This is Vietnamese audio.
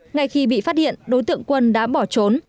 ngay khi bị phát hiện đối tượng quân đã bỏ trốn